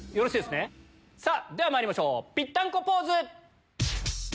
ではまいりましょうピッタンコポーズ！